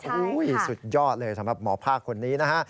สุดยอดเลยสำหรับหมอภาคคนนี้นะฮะ